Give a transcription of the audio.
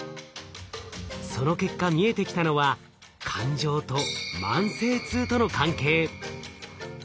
その結果見えてきたのは感情と慢性痛との関係。